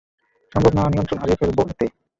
সম্ভব না, নিয়ন্ত্রণ হারিয়ে ফেলব এতে!